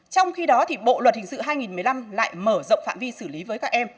trong khi đó bộ luật hình sự hai nghìn một mươi năm lại mở rộng phạm vi xử lý với các em